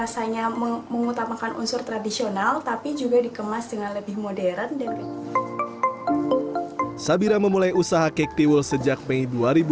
syabira memulai usaha kek tiwul sejak mei dua ribu delapan belas